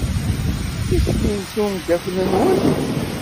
Isem-nnes umeddakel-nwen?